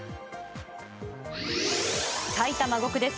埼玉５区です。